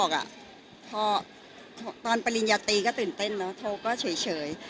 เขาก็ว่ามันพัดบอกตอนตัวเรียนโทรก็ตื่นเต้นแล้วโทรก็เฉย